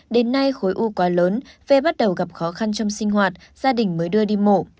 đến nay khối u quá lớn phê bắt đầu gặp khó khăn trong sinh hoạt gia đình mới đưa đi mổ